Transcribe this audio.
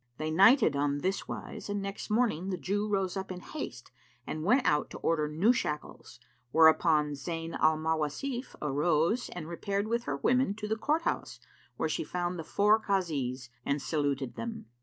They nighted on this wise and next morning the Jew rose up in haste and went out to order new shackles, whereupon Zayn al Mawasif arose and repaired with her women to the court house, where she found the four Kazis and saluted them.